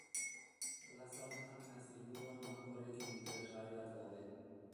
Plaza honetan nahiz inguruan honako eraikin interesgarriak daude.